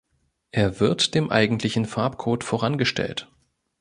Er wird dem eigentlichen Farbcode vorangestellt.